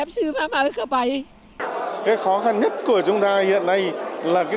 cái khó khăn nhất của chúng ta hiện nay là cái công tác